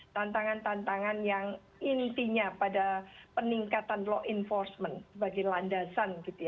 tantangan tantangan yang intinya pada peningkatan law enforcement sebagai landasan gitu ya